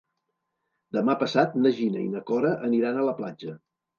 Demà passat na Gina i na Cora aniran a la platja.